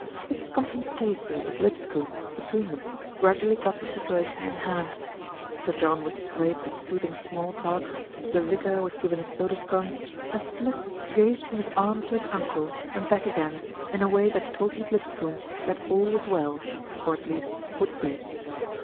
Mrs. Compton Stacey and Miss Lipscombe between them gradually got the situation in hand. Sir John was sprayed with soothing small talk, the vicar was given a soda scone, and Smith gazed from his aunt to his uncle and back again in a way that told Miss Lip scombe that all was well, or at least would be.